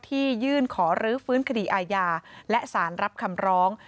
ยื่นขอรื้อฟื้นคดีอาญาและสารรับคำร้อง